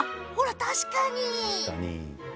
確かに。